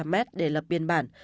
năm trăm linh m để lập biên bản